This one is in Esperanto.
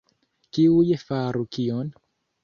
Kiuj faru kion?